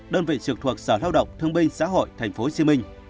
đơn vị trực thuộc sở lao động thương binh xã hội tp hcm